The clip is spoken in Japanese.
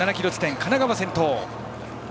神奈川が先頭。